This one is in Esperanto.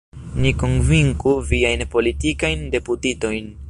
Ni konvinku viajn politikajn deputitojn!